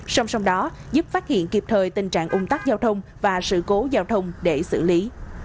song song đó giúp phát hiện kịp thời tình trạng ung tắc giao thông và sự cố giao thông để xử lý